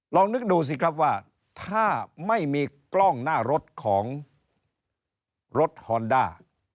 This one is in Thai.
ลองนึกดูสิครับว่าถ้าไม่มีกล้องหน้ารถของรถฮอนด้า